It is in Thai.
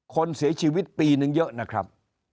คนเสียชีวิตปีนึงเยอะนะครับ